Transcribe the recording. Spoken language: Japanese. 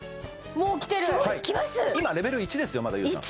もうきてる今レベル１ですよまだ優さん